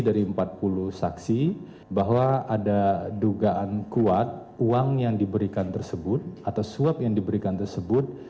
dari empat puluh saksi bahwa ada dugaan kuat uang yang diberikan tersebut atau suap yang diberikan tersebut